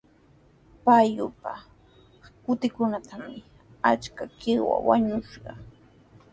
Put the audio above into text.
Pukyupa kutrunkunatrawmi achka qiwa wiñashqa.